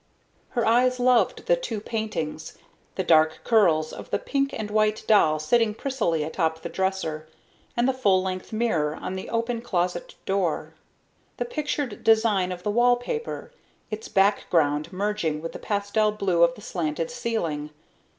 Her eyes loved the two paintings, the dark curls of the pink and white doll sitting prissily atop the dresser, and the full length mirror on the open closet door. The pictured design of the wallpaper, its background merging with the pastel blue of the slanted ceiling....